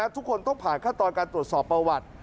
ทุกคนต้องผ่านขั้นตอนการตรวจสอบประวัติ